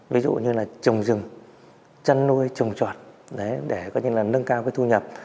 ví dụ như là trồng rừng chăn nuôi trồng trọt để có như là nâng cao cái thu nhập